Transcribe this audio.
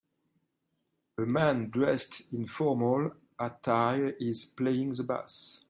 A man dressed in formal attire is playing the bass.